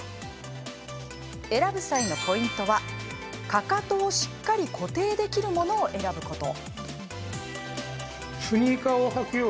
選ぶ際のポイントはかかとをしっかり固定できるものを選ぶこと。